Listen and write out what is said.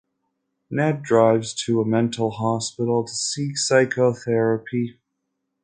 Ned drives to a mental hospital to seek psychotherapy.